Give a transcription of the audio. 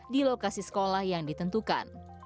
di lokasi sekolah yang ditentukan